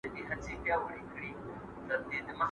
¬ يا نه کوي، يا د خره کوي.